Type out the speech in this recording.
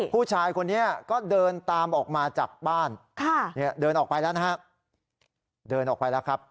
ผู้ชายคนนี้ก็เดินตามออกมาจากบ้านเดินออกไปแล้วนะครับ